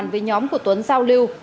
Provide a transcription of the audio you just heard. ngồi vào bàn với nhóm của tuấn giao lưu